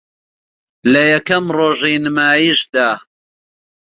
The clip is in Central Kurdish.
لە یەکەم رۆژی نمایشیدا